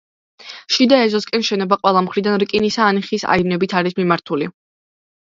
შიდა ეზოსკენ შენობა ყველა მხრიდან რკინისა ან ხის აივნებით არის მიმართული.